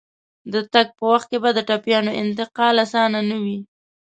د تګ په وخت کې به د ټپيانو انتقال اسانه نه وي.